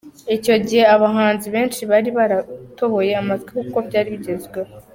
Icyo gihe abahanzi benshi bari baratoboye amatwi kuko byari bigezweho.